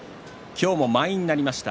今日も満員になりました。